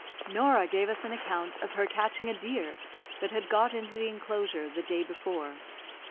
Norah gave us an account of her catching a deer that had got into the enclosure the day before.